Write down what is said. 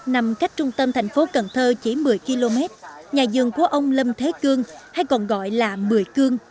nằm cách trung tâm thành phố cần thơ chỉ một mươi km nhà dường của ông lâm thế cương hay còn gọi là mười cương